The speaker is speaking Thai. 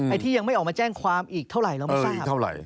ที่ยังไม่ออกมาแจ้งความอีกเท่าไหร่เราไม่ทราบเท่าไหร่